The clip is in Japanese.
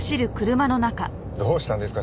どうしたんですか？